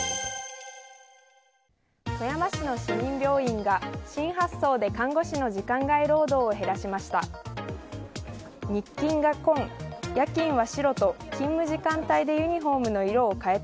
富山市の市民病院が新発想で看護師の時間外労働を減らしました。